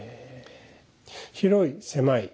広い狭い。